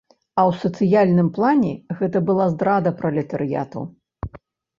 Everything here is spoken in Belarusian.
А ў сацыяльным плане гэта была здрада пралетарыяту.